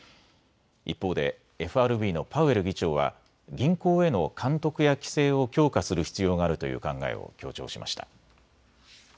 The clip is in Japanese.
一方でＦＲＢのパウエル議長は銀行への監督や規制を強化する必要があるという考えを強調しました。